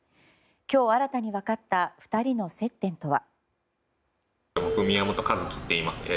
今日新たに分かった２人の接点とは。